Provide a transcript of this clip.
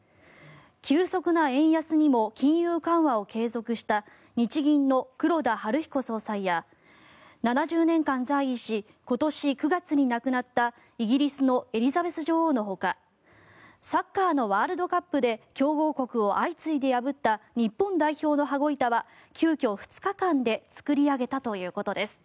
急速な円安にも金融緩和を継続した日銀の黒田東彦総裁や７０年間在位し今年９月に亡くなったイギリスのエリザベス女王のほかサッカーのワールドカップで強豪国を相次いで破った日本代表の羽子板は急きょ、２日間で作り上げたということです。